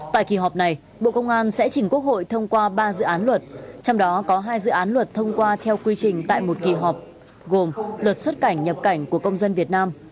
tại kỳ họp này bộ công an sẽ chỉnh quốc hội thông qua ba dự án luật trong đó có hai dự án luật thông qua theo quy trình tại một kỳ họp gồm luật xuất cảnh nhập cảnh của công dân việt nam